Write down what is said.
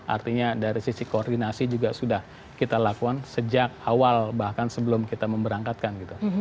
artinya dari sisi koordinasi juga sudah kita lakukan sejak awal bahkan sebelum kita memberangkatkan gitu